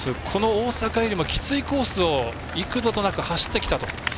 この大阪よりもきついコースを幾度となく走ってきたと。